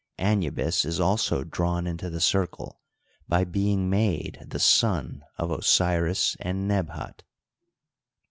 Anubis is also drawn into the circle by being made the son of Osiris and Nebhat.